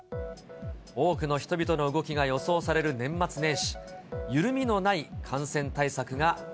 多くの人々の動きが予想される年末年始。